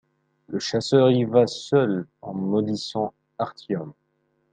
Le chasseur y va seul en maudissant Artiom.